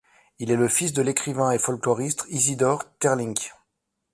Il est le fils de l'écrivain et folkloriste Isidoor Teirlinck.